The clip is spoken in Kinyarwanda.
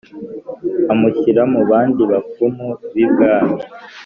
amushyira mu bandi bapfumu b’ibwami.